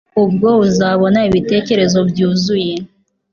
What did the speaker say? Ubwo uzabona ibitekerezo byuzuye